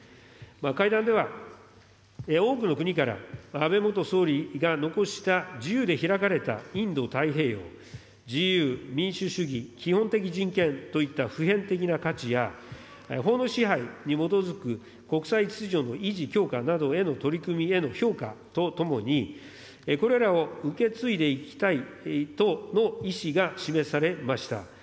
会談では、多くの国から安倍元総理が残した自由でひらかれたインド太平洋、自由、民主主義、基本的人権といった普遍的な価値や、法の支配に基づく国際秩序の維持、強化などへの取り組みへの評価とともに、これらを受け継いでいきたいとの意思が示されました。